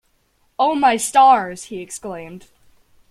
“Oh, my stars!” he exclaimed.